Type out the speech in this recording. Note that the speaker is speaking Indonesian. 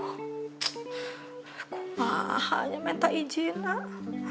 gue mah hanya minta izin nak